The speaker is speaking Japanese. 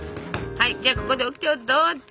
はいじゃあここでオキテをどうぞ！